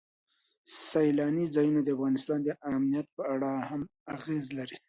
سیلانی ځایونه د افغانستان د امنیت په اړه هم اغېز لري.